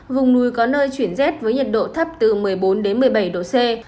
vùng núi có nơi chuyển rét với nhiệt độ thấp từ một mươi bốn đến một mươi bảy độ c